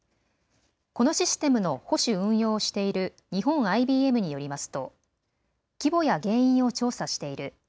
このシステムの保守、運用をしている日本ＩＢＭによりますと規模や原因を調査している。